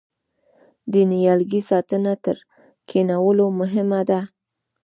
د نیالګي ساتنه تر کینولو مهمه ده؟